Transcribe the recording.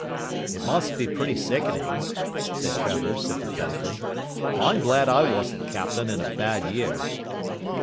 "It must be pretty sickening," said Trevor sympathetically. "I'm glad I wasn't captain in a bad year."